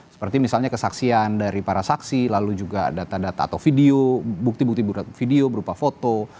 seperti misalnya kesaksian dari para saksi lalu juga data data atau video bukti bukti video berupa foto